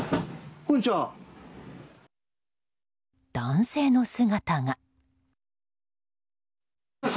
男性の姿が。